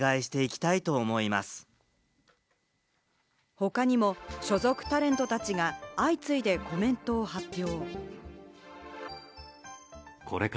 他にも所属タレントたちが相次いでコメントを発表。